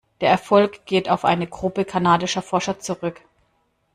Der Erfolg geht auf eine Gruppe kanadischer Forscher zurück.